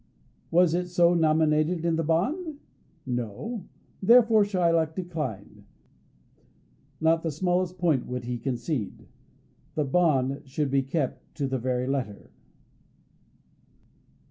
Was it so nominated in the bond? No. Therefore Shylock declined. Not the smallest point would he concede. The bond should be kept to the very letter.